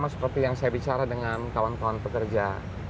seperti yang saya bicara dengan kawan kawan pekerja